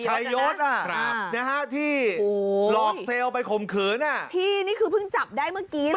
ชายยศน่ะครับนะฮะที่โอ้โหหลอกเซลล์ไปข่มขืนอ่ะพี่นี่คือเพิ่งจับได้เมื่อกี้แล้วน่ะ